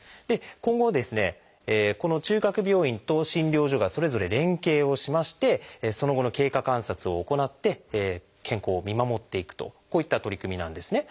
今後この中核病院と診療所がそれぞれ連携をしましてその後の経過観察を行って健康を見守っていくとこういった取り組みなんですね。